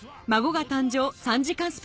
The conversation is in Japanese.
孫が誕生３時間